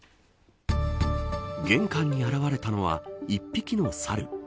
玄関に現れたのは１匹の猿。